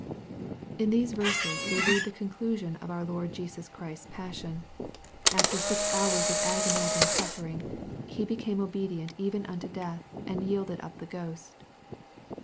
In these verses we read the conclusion of our Lord Jesus Christ's passion. After six hours of agonizing suffering, He became obedient even unto death, and " yielded up the ghost."